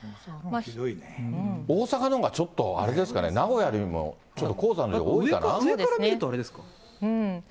大阪のほうがちょっとあれですかね、名古屋よりも黄砂の量多いか上から見るとあれですかね。